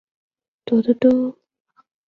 这里列举所参与制作的著名作品。